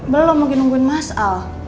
belum lagi nungguin mas al